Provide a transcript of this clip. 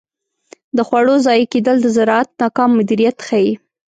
د خوړو ضایع کیدل د زراعت ناکام مدیریت ښيي.